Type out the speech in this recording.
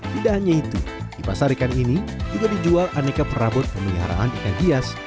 tidak hanya itu di pasar ikan ini juga dijual aneka perabot pemeliharaan ikan hias